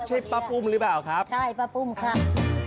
ใช่ป้าปุ้มหรือเปล่าครับใช่ป้าปุ้มครับ